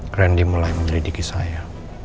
keren dia mulai mendridiki saya